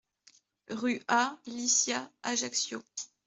Rue A Liscia, Ajaccio